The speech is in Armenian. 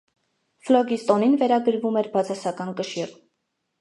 Ֆլոգիստոնին վերագրվում էր բացասական կշիռ։